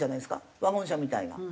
ワゴン車みたいな。